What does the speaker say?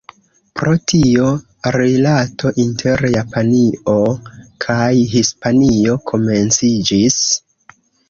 Pro tio, rilato inter Japanio kaj Hispanio komenciĝis.